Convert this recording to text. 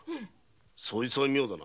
そいつは妙だな。